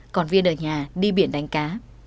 còn viên ở nhà đi biển đánh cá